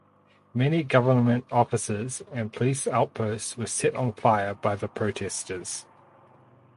Many Government offices and police outposts were set fire by the protesters.